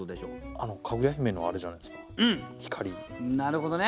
なるほどね。